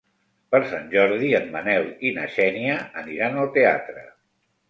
Per Sant Jordi en Manel i na Xènia aniran al teatre.